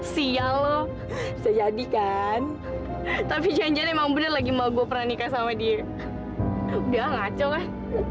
siang lo bisa jadi kan tapi jangan jangan emang bener lagi mau gue pernah nikah sama dia udah ngaco kan